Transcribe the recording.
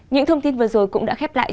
những thông tin vừa rồi cũng đã khép lại